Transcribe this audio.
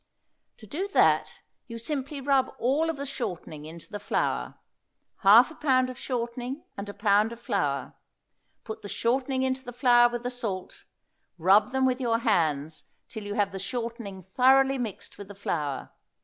To do that you simply rub all of the shortening into the flour. Half a pound of shortening and a pound of flour; put the shortening into the flour with the salt; rub them with your hands till you have the shortening thoroughly mixed with the flour.